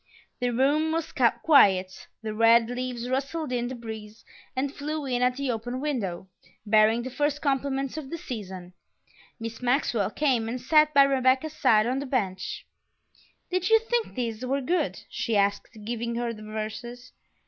The room was quiet; the red leaves rustled in the breeze and flew in at the open window, bearing the first compliments of the season. Miss Maxwell came and sat by Rebecca's side on the bench. "Did you think these were good?" she asked, giving her the verses.